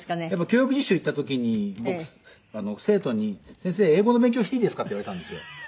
教育実習行った時に僕生徒に「先生英語の勉強していいですか」って言われたんですよ。